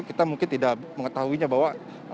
kita mungkin tidak mengetahuinya bahwa